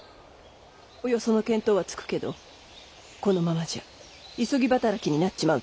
およその見当はつくけどこのままじゃ急ぎ働きになっちまうってね。